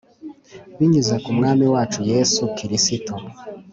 binyuze ku Mwami wacu Yesu Kristo